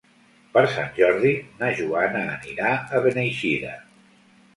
Per Sant Jordi na Joana anirà a Beneixida.